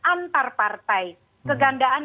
antar partai kegandaan